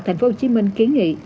tp hcm kiến nghị